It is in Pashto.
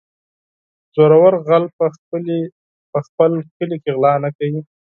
- زورور غل په خپل کلي کې غلا نه کوي.